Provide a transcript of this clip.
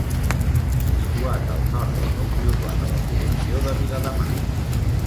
Situat al nord del nucli urbà de la població de Viladamat.